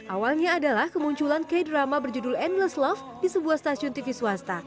awalnya adalah kemunculan k drama berjudul andless love di sebuah stasiun tv swasta